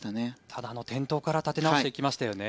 ただ、あの転倒から立て直していきましたよね。